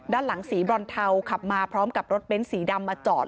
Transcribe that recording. ด้านหลังสีบรอนเทาขับมาพร้อมกับรถเบ้นสีดำมาจอด